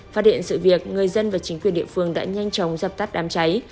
phát hiện sự việc người dân và chính quyền địa phương đã nhanh chóng dập tắt đám cháy